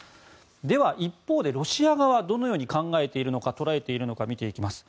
では、一方でロシア側はどのように考えているのか捉えているのか、見ていきます。